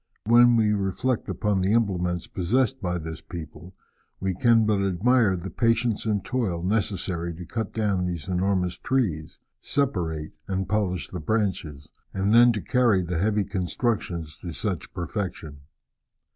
When we reflect upon the implements possessed by this people, we can but admire the patience and toil necessary to cut down these enormous trees, separate and polish the branches, and then to carry the heavy constructions to such perfection.